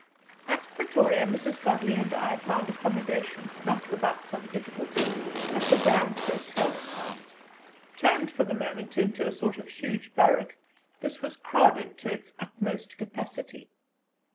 At Pretoria Mrs. Godley and I found accommodation, not without some difficulty, at the Grand Hotel. Turned for the moment into a sort of huge barrack, this was crowded to its utmost capacity.